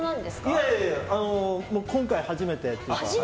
いやいや、今回初めてというか。